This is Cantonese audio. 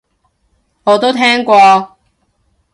我都聽過